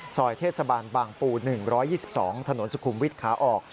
ซอยเทศบาลบางปู๑๒๒ถนนสุขุมวิทย์ขาออก